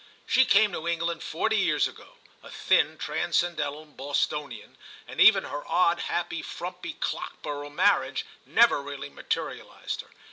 She came to England forty years ago, a thin transcendental Bostonian, and even her odd happy frumpy Clockborough marriage never really materialised her.